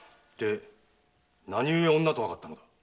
何故女とわかったのだ？